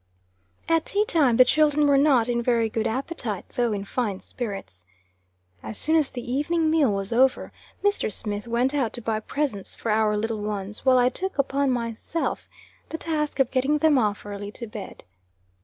At tea time, the children were not in very good appetite, though in fine spirits. As soon as the evening meal was over, Mr. Smith went out to buy presents for our little ones, while I took upon myself the task of getting them off early to bed.